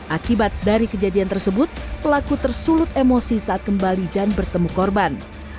akibat dari kejadian tersebut pelaku tersulut emosi saat kembali dan bertemu korban